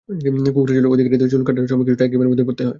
কোঁকড়া চুলের অধিকারীদের চুল কাটার সময় কিছুটা একঘেয়েমির মধ্যেই পড়তে হয়।